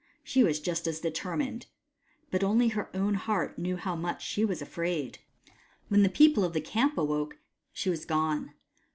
She was just as determined ; but only her owti heart knew how much she was afraid. When the people of the camp awoke, she was gone.